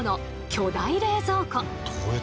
巨大冷蔵庫。